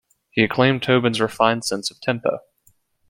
He acclaimed Tobin's "refined sense of tempo".